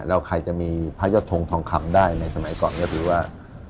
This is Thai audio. แล้วใครจะมีพระยอดทงทองคำได้ในสมัยก่อนก็ถือว่า